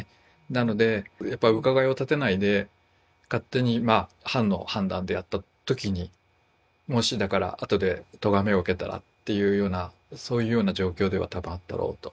なのでやっぱり伺いを立てないで勝手に藩の判断でやった時にもしだからあとでとがめを受けたらっていうようなそういうような状況では多分あったろうと。